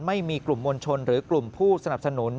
ไม่มีกลุ่มมวลชนหรือกลุ่มผู้สนับสนุน